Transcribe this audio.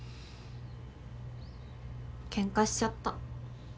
ケンカしちゃった。